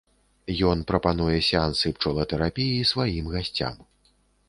Ён прапануе сеансы пчолатэрапіі сваім гасцям.